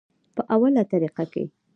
پۀ اوله طريقه کښې